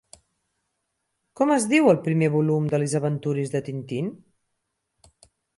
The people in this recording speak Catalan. Com es diu el primer volum de Les aventures de Tintín?